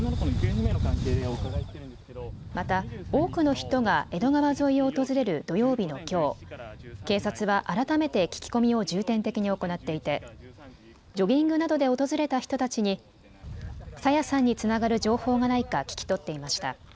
また多くの人が江戸川沿いを訪れる土曜日のきょう、警察は改めて聞き込みを重点的に行っていてジョギングなどで訪れた人たちに朝芽さんにつながる情報がないか聞き取っていました。